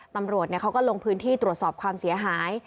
ตำรวจเขาก็ลงพื้นที่ตรวจสอบความเสียหาย